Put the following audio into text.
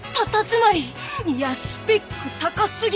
いやスペック高過ぎかて！